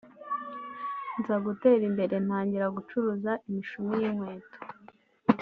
nza gutera imbere ntangira gucuruza imishumi y’inkweto